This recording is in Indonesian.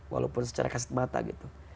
walaupun secara kasat mata gitu